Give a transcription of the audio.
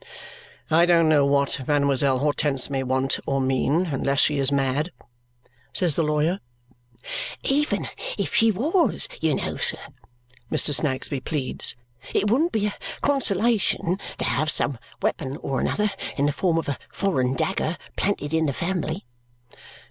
"I don't know what Mademoiselle Hortense may want or mean, unless she is mad," says the lawyer. "Even if she was, you know, sir," Mr. Snagsby pleads, "it wouldn't be a consolation to have some weapon or another in the form of a foreign dagger planted in the family."